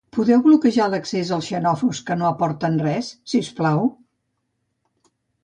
Podeu bloquejar l'accés als xenòfobs que no aporten res sisplau?